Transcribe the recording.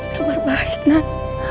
kabar baik nak